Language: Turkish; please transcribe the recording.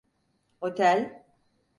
Otel…